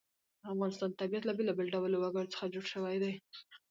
د افغانستان طبیعت له بېلابېلو ډولو وګړي څخه جوړ شوی دی.